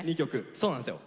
そうなんですよ。